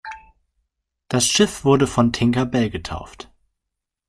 Das Schiff wurde von Tinker Bell getauft.